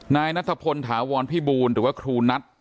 นายนัทพลถาวรพิบูลหรือว่าครูนัท